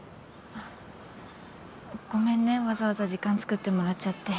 あっごめんねわざわざ時間つくってもらっちゃって。